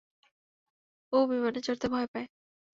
ও বিমানে চরতে ভয় পায়।